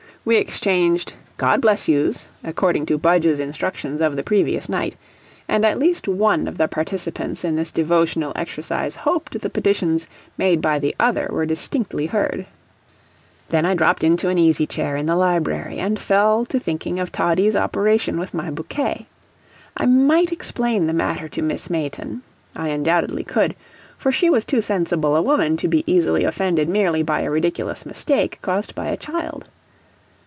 We exchanged "God bless you's," according to Budge's instructions of the previous night, and at least one of the participants in this devotional exercise hoped the petitions made by the other were distinctly heard. Then I dropped into an easy chair in the library, and fell to thinking. I found myself really and seriously troubled by the results of Toddie's operation with my bouquet. I might explain the matter to Miss Mayton I undoubtedly could, for she was too sensible a woman to be easily offended merely by a ridiculous mistake, caused by a child.